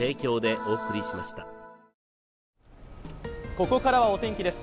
ここからはお天気です。